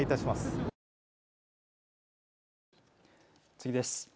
次です。